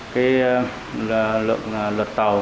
cái lượng lượt tàu